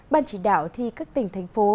ban chỉ đạo thi các tỉnh thành phố